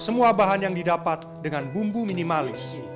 semua bahan yang didapat dengan bumbu minimalis